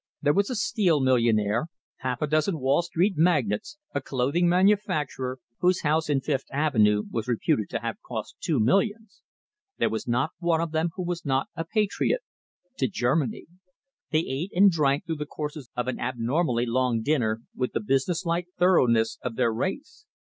There was a steel millionaire, half a dozen Wall Street magnates, a clothing manufacturer, whose house in Fifth Avenue was reputed to have cost two millions. There was not one of them who was not a patriot to Germany. They ate and drank through the courses of an abnormally long dinner with the businesslike thoroughness of their race.